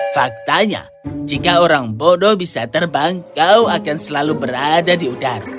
faktanya jika orang bodoh bisa terbang kau akan selalu berada di udara